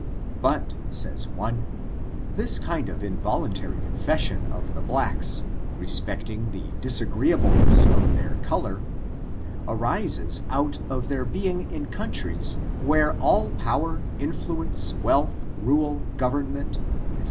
But, says one, this kind of involtmtary confession of the blacks, respecting the disagreeableness of their color, arises out of their bemg in countries where all power, influence, wealth, rule, government, &c.